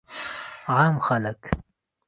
عام خلک